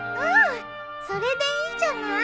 それでいいんじゃない？